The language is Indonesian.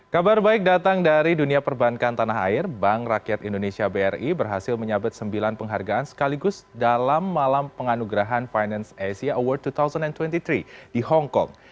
kabar baik datang dari dunia perbankan tanah air bank rakyat indonesia bri berhasil menyabet sembilan penghargaan sekaligus dalam malam penganugerahan finance asia award dua ribu dua puluh tiga di hongkong